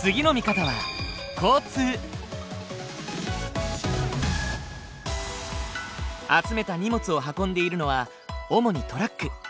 次の見方は集めた荷物を運んでいるのは主にトラック。